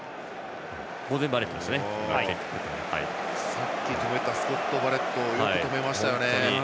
さっき止めたスコット・バレットをよく止めましたね。